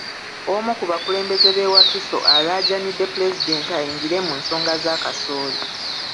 Omu ku bakulembeze b'e Wakiso alaajanidde Pulezidenti ayingire mu nsonga za kasooli.